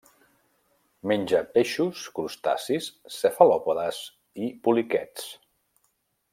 Menja peixos, crustacis, cefalòpodes i poliquets.